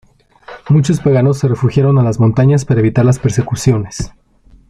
Muchos paganos se refugiaron a las montañas para evitar las persecuciones.